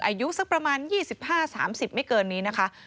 อายุสักประมาณ๒๕๓๐ไม่เกินนี้นะคะ